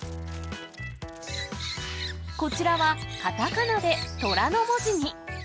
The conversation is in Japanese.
こちらはカタカナでトラの文字に。